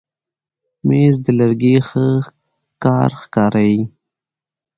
مېز د لرګي ښه کار ښکاروي.